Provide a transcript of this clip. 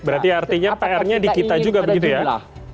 berarti artinya pr nya di kita juga begitu ya